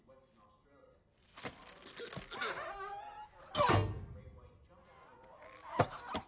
あっ！